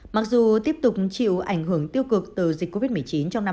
mặc dù tiếp tục chịu ảnh hưởng tiêu cực từ dịch covid một mươi chín trong năm hai nghìn hai mươi